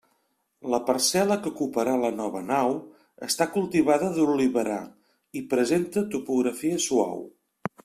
La parcel·la que ocuparà la nova nau està cultivada d'oliverar i presenta topografia suau.